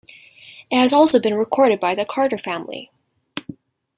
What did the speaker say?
It has also been recorded by the Carter Family.